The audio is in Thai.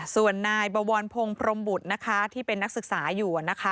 ส่วนนายบวรพงศ์พรมบุตรที่เป็นนักศึกษาอยู่